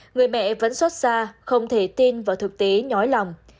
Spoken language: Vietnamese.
người mẹ vẫn xót xa không thể tin vào thực tế nhói lòng